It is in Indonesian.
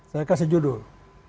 saya kasih judul